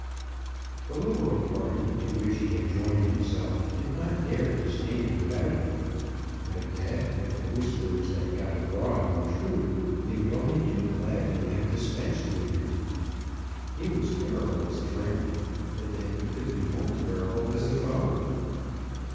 The liberal party to which he had joined himself did not dare to stand without him; but yet, if the whispers that got abroad were true, they would only too gladly have dispensed with him. He was terrible as a friend; but then he could be more terrible as a foe.